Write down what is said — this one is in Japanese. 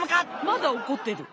まだおこってる。